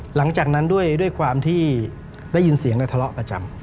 หลังจากนั้นด้วยความที่ได้ยินเสียงและทะเลาะประจำ